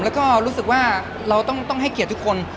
แล้วก็รู้สึกว่าเราต้องให้เกียรติทุกคน